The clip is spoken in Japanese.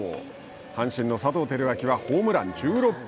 阪神の佐藤輝明はホームラン１６本。